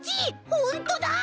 ほんとだ！